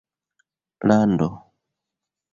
lando